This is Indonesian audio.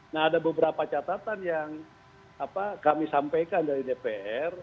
nah ada beberapa catatan yang kami sampaikan dari dpr